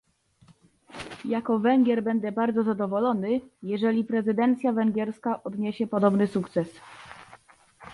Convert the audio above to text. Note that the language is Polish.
Jako Węgier będę bardzo zadowolony, jeżeli prezydencja węgierska odniesie podobny sukces